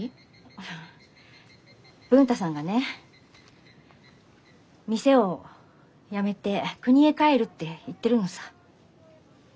あ文太さんがね店を辞めてくにへ帰るって言ってるのさ。